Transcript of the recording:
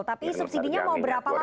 tapi subsidi nya mau berapa lama